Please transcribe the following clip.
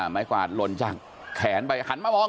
ไม้กวาดลนจังแขนไปหันมามอง